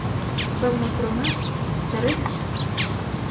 Певно, про нас, старих?